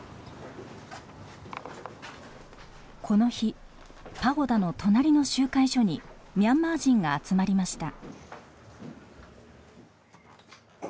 この日パゴダの隣の集会所にミャンマー人が集まりました。